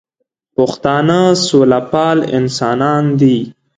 پښتانه سوله پال انسانان دي